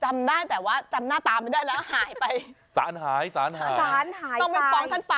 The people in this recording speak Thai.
จำได้แต่ว่าจำหน้าตามันได้แล้วหายไปศาลหายศาลหายศาลหายศาลต้องไปฟองท่านเปร่า